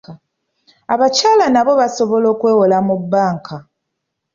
Abakyala nabo basobola okwewola mu bbanka.